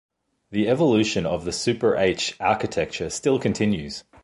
The evolution of the SuperH architecture still continues.